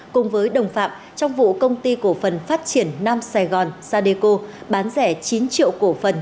cùng với đồng phạm trong vụ công ty cổ phần phát triển nam sài gòn sadeco bán rẻ chín triệu cổ phần